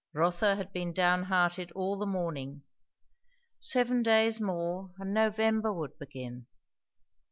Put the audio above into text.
Rotha had been down hearted all the morning. Seven days more, and November would begin!